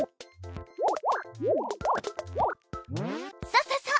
そうそうそう！